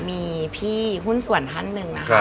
มีพี่หุ้นส่วนท่านหนึ่งนะคะ